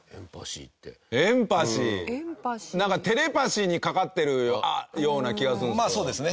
なんかテレパシーにかかってるような気がするんですよ。